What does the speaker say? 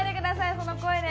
その声で。